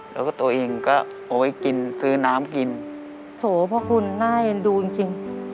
แล้วก็ตัวเองก็เอาไว้กินซื้อน้ำกินโถเพราะคุณน่าเอ็นดูจริงจริง